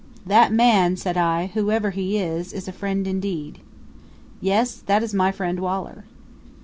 "That man," said I, "whoever he is, is a friend, indeed." "Yes, that is my friend Waller."